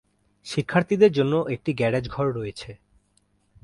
শিক্ষার্থীদের জন্য একটি গ্যারেজ ঘর রয়েছে।